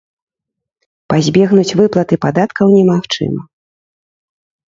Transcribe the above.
Пазбегнуць выплаты падаткаў немагчыма.